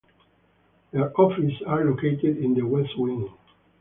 Their offices are located in the West Wing.